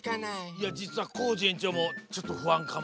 いやじつはコージえんちょうもちょっとふあんかも。